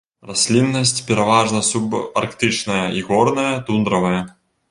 Расліннасць пераважна субарктычная і горная тундравая.